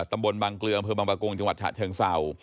ตำบลบังเกลือเผลอบังบกลุงจังหวัดฉะเชองเซา